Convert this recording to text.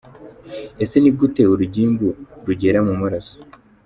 Ese ni gute urugimbu rugera mu maraso?.